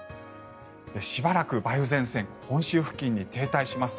しばらく梅雨前線本州付近に停滞します。